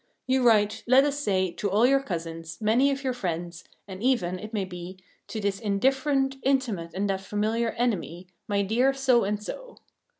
You write, let us say, to all your cousins, many of your friends, and even, it may be, to this indifferent intimate and that familiar enemy, "My dear So and so."